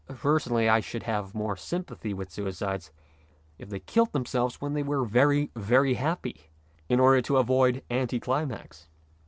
Personally I should have more sympathy with suicides if they killed themselves when they were very, very happy, in order to avoid anti climax.